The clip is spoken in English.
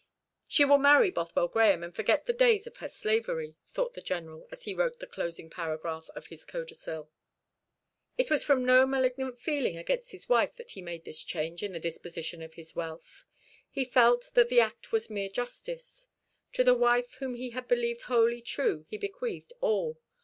"She will marry Bothwell Grahame, and forget the days of her slavery," thought the General, as he wrote the closing paragraph of his codicil. It was from no malignant feeling against his wife that he made this change in the disposition of his wealth. He felt that the act was mere justice. To the wife whom he had believed wholly true he bequeathed all.